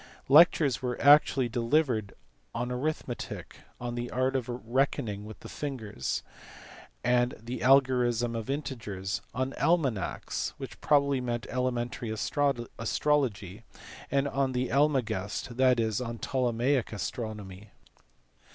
Lectures were actually delivered on arithmetic, the art of reckoning with the fingers, and the algorism of integers ; on almanacks, which probably meant elementary astrology ; and on the Almagest, that is, on Ptolemaic astronomy.